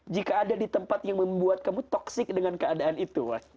jika ada di tempat yang membuat kamu toksik dengan keadaan itu